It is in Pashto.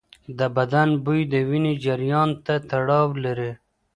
د بدن بوی د وینې جریان ته تړاو لري.